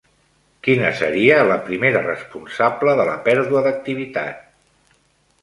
Quina seria la primera responsable de la pèrdua d'activitat?